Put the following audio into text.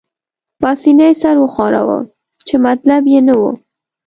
پاسیني سر وښوراوه، چې مطلب يې نه وو.